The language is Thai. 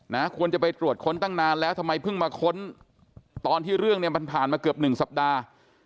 ควรจะไปตรวจค้นตั้งนานแล้วทำไมเพิ่งมาค้นตอนที่เรื่องเนี่ยมันผ่านมาเกือบหนึ่งสัปดาห์